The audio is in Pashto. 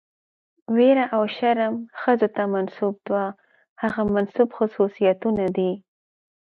ويره او شرم ښځو ته منسوب دوه هغه منسوب خصوصيتونه دي،